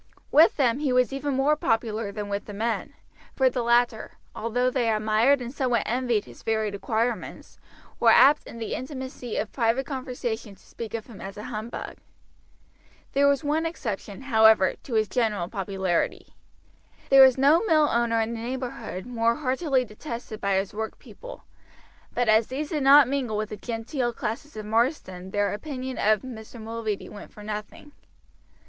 With them he was even more popular than with the men, for the latter, although they admired and somewhat envied his varied acquirements, were apt in the intimacy of private conversation to speak of him as a humbug. There was one exception, however, to his general popularity. There was no mill owner in the neighborhood more heartily detested by his workpeople; but as these did not mingle with the genteel classes of Marsden their opinion of Mr. Mulready went for nothing.